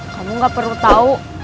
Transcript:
kamu nggak perlu tahu